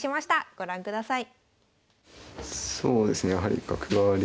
ご覧ください。